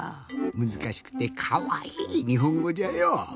むずかしくてかわいいにほんごじゃよ。